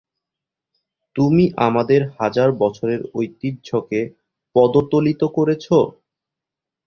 তুমি আমাদের হাজার বছরের ঐতিহ্যকে পদতলিত করেছ।